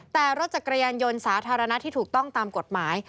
แต่รถจักรยานยนต์สาธารณะที่ถูกต้องตามกฎหมาย